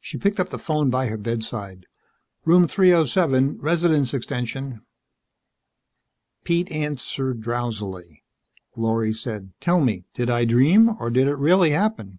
She picked up the phone by her bedside. "Room 307 Resident's extension." Pete answered drowsily. Lorry said, "Tell me did I dream, or did it really happen."